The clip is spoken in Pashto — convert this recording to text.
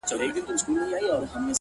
هره ناکامي نوی درک ورکوي